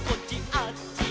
あっち！」